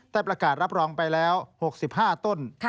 ประกาศรับรองไปแล้ว๖๕ต้น